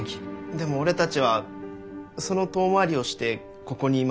でも俺たちはその遠回りをしてここにいますよ。